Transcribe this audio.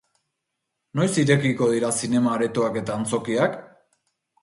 Noiz irekiko dira zinema-aretoak eta antzokiak?